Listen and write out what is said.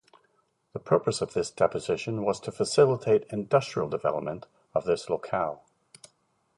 The purpose of this deposition was to facilitate industrial development of this locale.